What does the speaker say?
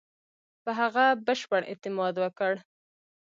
په هغه بشپړ اعتماد وکړ.